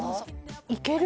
いける？